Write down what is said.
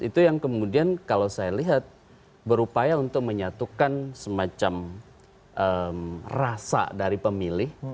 itu yang kemudian kalau saya lihat berupaya untuk menyatukan semacam rasa dari pemilih